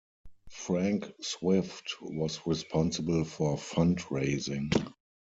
Frank Swift was responsible for fund-raising.